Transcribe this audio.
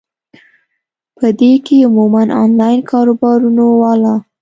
پۀ دې کښې عموماً انلائن کاروبارونو واله ،